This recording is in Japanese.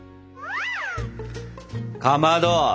かまど！